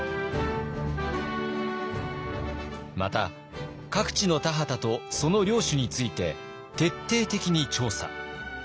また各地の田畑とその領主について徹底的に調査。